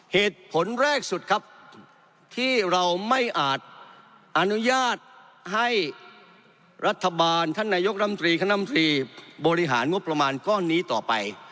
เหตุผลแรกสุดครับที่เราไม่อาจอนุญาตให้รัฐบาลท่านนายกรรมตรีคณะมตรีบริหารงบประมาณก้อนนี้ต่อไป